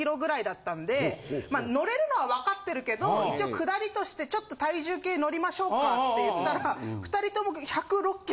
まあ乗れるのは分かってるけど一応くだりとしてちょっと体重計のりましょうかって言ったら。